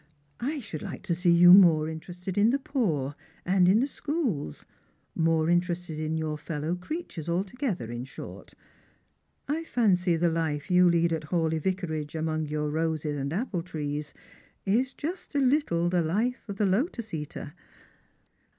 I should like to see you more interested in the poor and in the schools, more interested in your fellow creatures altogether, in short. I fancy the life you lead at Hawleigh Vicarage among your roses and apple trees is just a little the life of the lotus eater.